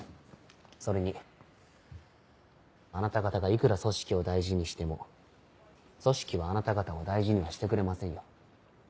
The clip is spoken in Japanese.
それにあなた方がいくら組織を大事にしても組織はあなた方を大事にはしてくれませんよ。